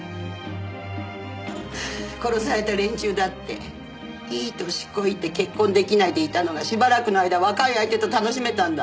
殺された連中だっていい歳こいて結婚出来ないでいたのがしばらくの間若い相手と楽しめたんだ。